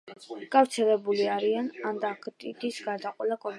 გავრცელებული არიან ანტარქტიდის გარდა ყველა კონტინენტზე.